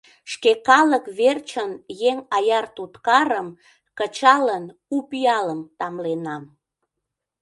Шке калык верчын еҥ аяр туткарым, Кычалын у пиалым, тамленам.